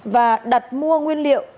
và đặt mua nguyên liệu